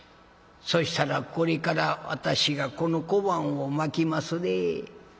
そしたらこれから私がこの小判をまきますね。